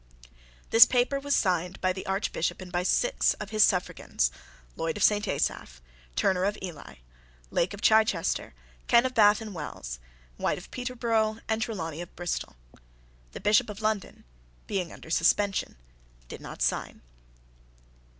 This paper was signed by the Archbishop and by six of his suffragans, Lloyd of St. Asaph, Turner of Ely, Lake of Chichester, Ken of Bath and Wells, White of Peterborough, and Trelawney of Bristol. The Bishop of London, being under suspension, did not sign.